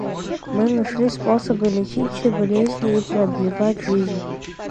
Мы нашли способы лечить все болезни и продлевать жизнь.